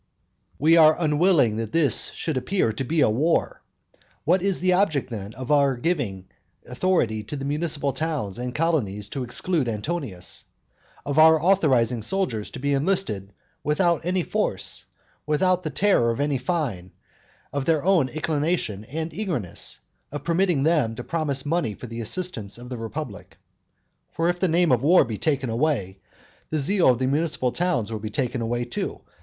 II. We are unwilling that this should appear to be a war. What is the object, then, of our giving authority to the municipal towns and colonies to exclude Antonius? of our authorizing soldiers to be enlisted without any force, without the terror of any fine, of their own inclination and eagerness? of permitting them to promise money for the assistance of the republic? For if the name of war be taken away, the zeal of the municipal towns will be taken away too.